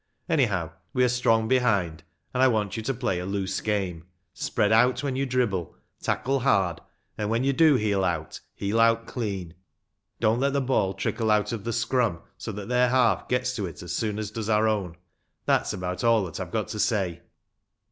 Anyhow we are strong behind, and I want you to play a loose game. Spread out when you dribble, tackle hard, and when you do heel out, heel out clean. Don't let the ball trickle out of the scrum so that their half gets to it as soon as does our own. That's about all that I've got to say."